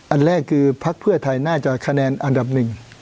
อันแรกคือพักเพื่อไทยน่าจะคะแนนอันดับหนึ่ง